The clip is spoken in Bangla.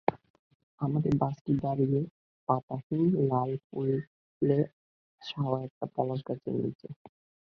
আমাদের বাসটি দাঁড়িয়ে পাতাহীন লাল ফুলে ছাওয়া একটা পলাশ গাছের নিচে।